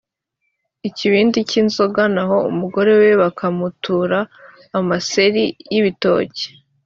ikibindi k inzoga naho umugore we bakamutura amaseri y ibitoke